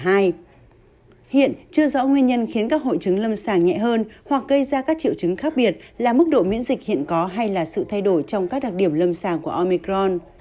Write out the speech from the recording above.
hiện chưa rõ nguyên nhân khiến các hội chứng lâm sàng nhẹ hơn hoặc gây ra các triệu chứng khác biệt là mức độ miễn dịch hiện có hay là sự thay đổi trong các đặc điểm lâm sàng của omicron